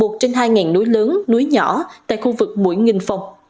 một trên hai ngàn núi lớn núi nhỏ tại khu vực mũi nghìn phòng